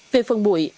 về phần mụi